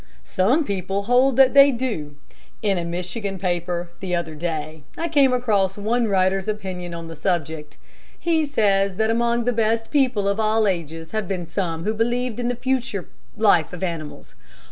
"Some people hold that they do. In a Michigan paper, the other day, I came across one writer's opinion on the subject. He says that among the best people of all ages have been some who believed in the future life of animals.